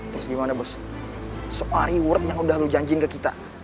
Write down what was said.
terus gimana gus soal reward yang udah lu janjiin ke kita